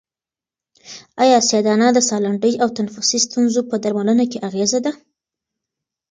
آیا سیاه دانه د سالنډۍ او تنفسي ستونزو په درملنه کې اغېزمنه ده؟